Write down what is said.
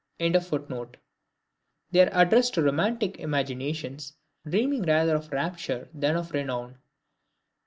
] they are addressed to romantic imaginations, dreaming rather of rapture than of renown.